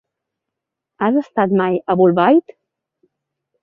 Has estat mai a Bolbait?